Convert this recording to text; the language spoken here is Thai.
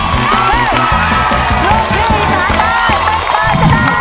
ลูกครึ่งอีสานได้เป็นฝ่ายชนะ